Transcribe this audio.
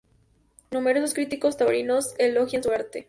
Numerosos críticos taurinos elogian su arte.